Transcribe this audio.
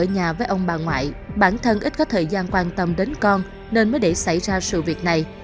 ngoại bản thân ít có thời gian quan tâm đến con nên mới để xảy ra sự việc này